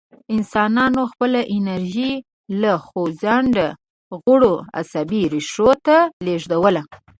انسانانو خپله انرژي له خوځنده غړو عصبي ریښو ته لېږدوله.